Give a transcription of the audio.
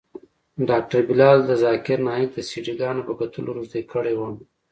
ډاکتر بلال د ذاکر نايک د سي ډي ګانو په کتلو روږدى کړى وم.